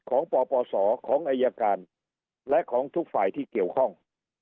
ของป่อป่อสอของอัยการและของทุกฝ่ายที่เกี่ยวข้อง